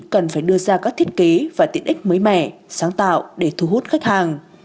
cần phải đưa ra các thiết kế và tiện ích mới mẻ sáng tạo để thu hút khách hàng